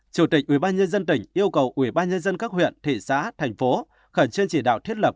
chủ tịch ubnd tỉnh yêu cầu ubnd các huyện thị xã thành phố khẩn truyền chỉ đạo thiết lập